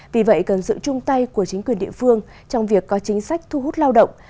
vì vậy cần sự chung tay của chính quyền địa phương trong việc có chính sách thu hút lao động